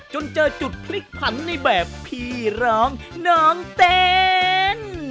จนจะเจอจุดพลิกพรรณในแบบพี่หลามน้องเต๋น